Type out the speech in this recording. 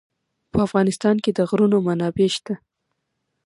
په افغانستان کې د غرونه منابع شته.